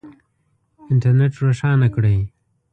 انټرنېټ روښانه کړئ